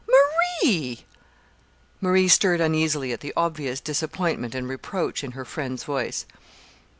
"Marie!" Marie stirred uneasily at the obvious disappointment and reproach in her friend's voice.